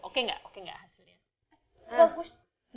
oke gak oke gak hasilnya